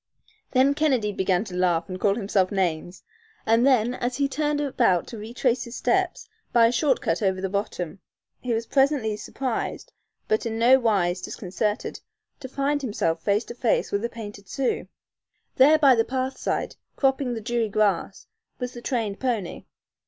Then Kennedy began to laugh and call himself names, and then, as he turned about to retrace his steps by a short cut over the bottom, he was presently surprised, but in no wise disconcerted, to find himself face to face with a painted Sioux. There by the path side, cropping the dewy grass, was the trained pony.